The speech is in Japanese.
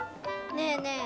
ねえねえ